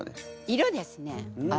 色ですね。